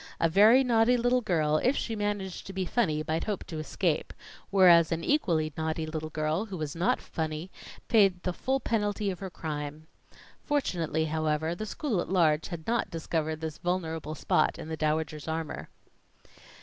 A very naughty little girl, if she managed to be funny, might hope to escape; whereas an equally naughty little girl, who was not funny, paid the full penalty of her crime. Fortunately, however, the school at large had not discovered this vulnerable spot in the Dowager's armor.